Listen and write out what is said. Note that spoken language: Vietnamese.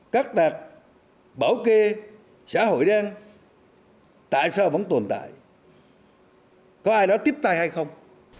các tạc bảo kê xã hội đen tại sao vẫn tồn tại có ai đó tiếp tay hay không